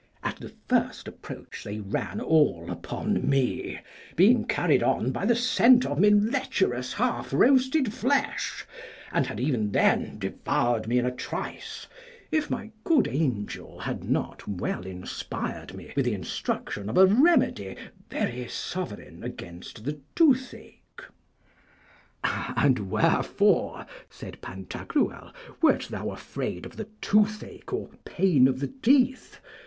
At the first approach they ran all upon me, being carried on by the scent of my lecherous half roasted flesh, and had even then devoured me in a trice, if my good angel had not well inspired me with the instruction of a remedy very sovereign against the toothache. And wherefore, said Pantagruel, wert thou afraid of the toothache or pain of the teeth?